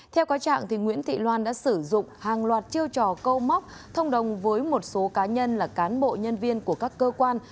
theo quá trạng nguyễn thị loan đã sử dụng hàng loạt chiêu trò câu móc thông đồng với một số cá nhân là cán bộ nhân viên của các cơ quan